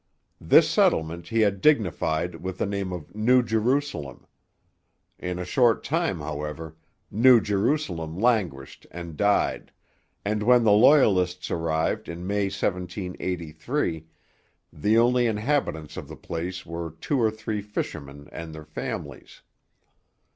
This settlement he had dignified with the name of New Jerusalem. In a short time, however, New Jerusalem languished and died, and when the Loyalists arrived in May 1783, the only inhabitants of the place were two or three fishermen and their families.